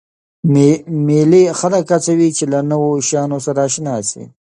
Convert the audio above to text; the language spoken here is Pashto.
مېلې خلک هڅوي، چي له نوو شیانو سره اشنا سي.